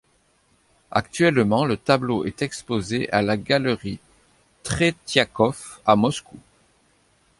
Actuellement le tableau est exposé à la galerie Tretiakov à Moscou.